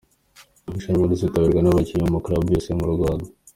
Iri rushanwa rizitabirwa n'abakinnyi bo mu ma clubs yose yo mu Rwanda.